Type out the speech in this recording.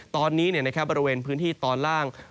ตอนนี้บริเวณพื้นที่ตอนล่าง